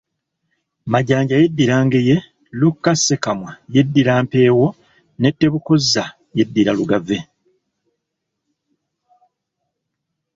Majanja yeddira Ngeye, Luka Ssekamwa, yeddira Mpeewo ne Tebukozza yeddira Lugave.